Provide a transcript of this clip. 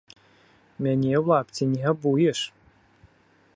Мяне ў лапці не абуеш!